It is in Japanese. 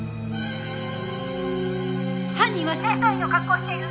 「犯人は清掃員の格好をしている！」